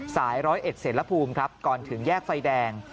สาย๑๐๑เสลพูมครับก่อนถึงแยกไฟแดง